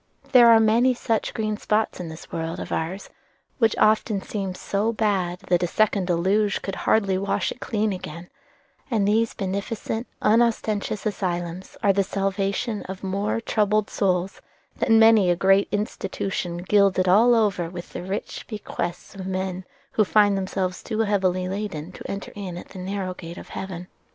There are many such green spots in this world of ours, which often seems so bad that a second Deluge could hardly wash it clean again; and these beneficent, unostentatious asylums are the salvation of more troubled souls than many a great institution gilded all over with the rich bequests of men who find themselves too heavily laden to enter in at the narrow gate of heaven.